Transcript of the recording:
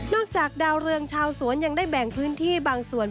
จากดาวเรืองชาวสวนยังได้แบ่งพื้นที่บางส่วน